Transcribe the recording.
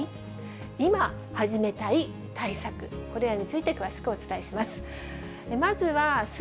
今始めたい対策、これらについて詳しくお伝えします。